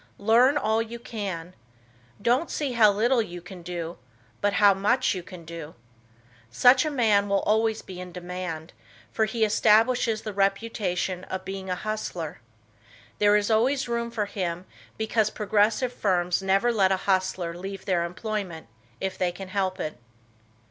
Learn all you can. Don't see how little you can do, but how much you can do. Such a man will always be in demand, for he establishes the reputation of being a hustler. There is always room for him because progressive firms never let a hustler leave their employment if they can help it.